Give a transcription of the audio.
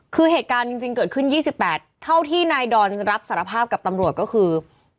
คือเหตุการณ์จริงเกิดขึ้น๒๘เท่าที่นายดอนรับสารภาพกับตำรวจก็คือ